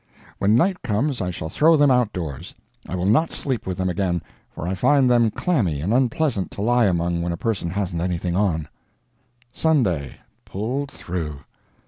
When night comes I shall throw them outdoors. I will not sleep with them again, for I find them clammy and unpleasant to lie among when a person hasn't anything on. SUNDAY. Pulled through.